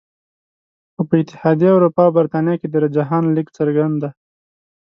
خو په اتحادیه اروپا او بریتانیا کې دا رجحان لږ څرګند دی